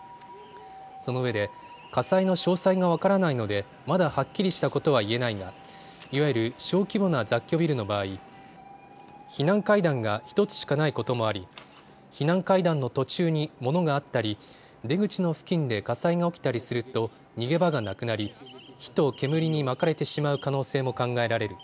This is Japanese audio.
そのうえで火災の詳細が分からないので、まだはっきりしたことは言えないがいわゆる小規模な雑居ビルの場合、避難階段が１つしかないこともあり、避難階段の途中に物があったり出口の付近で火災が起きたりすると逃げ場がなくなり火と煙に巻かれてしまう可能性も考えられる。